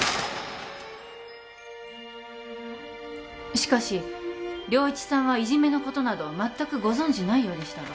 しかし良一さんはいじめのことなど全くご存じないようでしたが